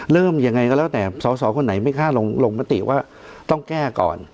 เริ่มยังไงก็แล้วแต่สอสอคนไหนไม่กล้าลงมติว่าต้องแก้ก่อน